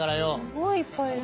すごいいっぱいいる。